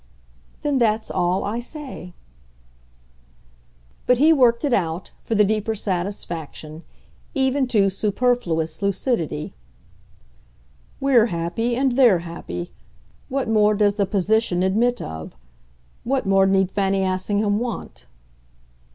"Then that's all I say." But he worked it out, for the deeper satisfaction, even to superfluous lucidity. "We're happy, and they're happy. What more does the position admit of? What more need Fanny Assingham want?"